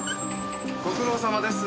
ご苦労さまです。